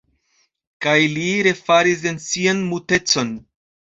Kaj li refalis en sian mutecon.